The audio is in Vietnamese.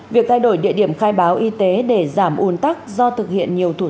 việc thay đổi địa điểm khai báo y tế để giảm ồn tắc do thực hiện nhiều thủ tục kiểm dịch